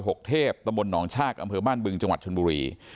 ชั้นเดียวนะครับอยู่ในหมู่๑ซอย๖เทพตะบลหนองชากอำเภอบ้านบึงจังหวัดชนบุรี